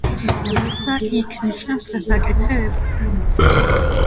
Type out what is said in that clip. რასა იქ? ნიშნავს რას აკეთებ?